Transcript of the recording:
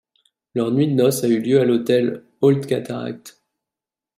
Leur nuit de noce a lieu à l'hôtel Old Cataract.